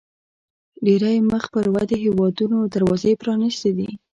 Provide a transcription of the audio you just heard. ډېری مخ پر ودې هیوادونو دروازې پرانیستې دي.